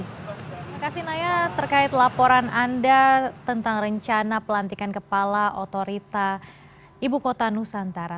terima kasih naya terkait laporan anda tentang rencana pelantikan kepala otorita ibu kota nusantara